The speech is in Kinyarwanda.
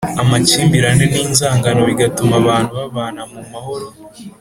amakimbirane n’inzangano, bigatuma abantu babana mu mahoro